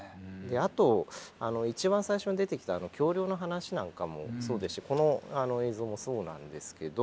であと一番最初に出てきた橋梁の話なんかもそうですしこの映像もそうなんですけど。